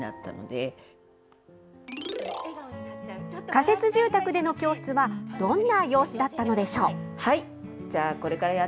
仮設住宅での教室はどんな様子だったのでしょう？